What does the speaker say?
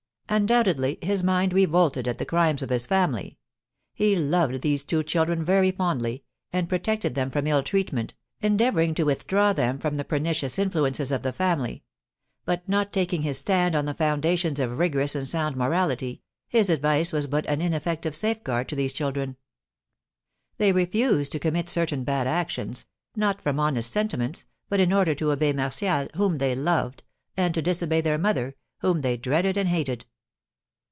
Undoubtedly his mind revolted at the crimes of his family. He loved these two children very fondly, and protected them from ill treatment, endeavouring to withdraw them from the pernicious influences of the family; but not taking his stand on the foundations of rigorous and sound morality, his advice was but an ineffective safeguard to these children. They refused to commit certain bad actions, not from honest sentiments, but in order to obey Martial, whom they loved, and to disobey their mother, whom they dreaded and hated.